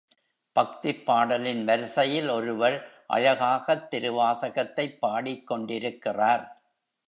பக்திப் பாடலின் வரிசையில் ஒருவர் அழகாகத் திருவாசகத்தைப் பாடிக் கொண்டிருக்கிறார்.